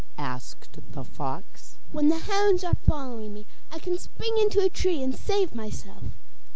asked the fox. 'When the hounds are following me, I can spring into a tree and save myself.